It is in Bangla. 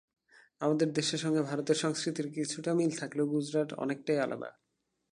আমাদের দেশের সঙ্গে ভারতের সংস্কৃতির কিছুটা মিল থাকলেও গুজরাট অনেকটাই আলাদা।